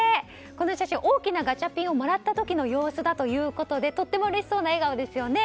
この写真、大きなガチャピンをもらった時の様子ということでとってもうれしそうな笑顔ですよね。